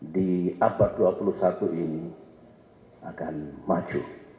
di abad dua puluh satu ini akan maju